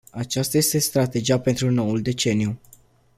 Aceasta este strategia pentru noul deceniu.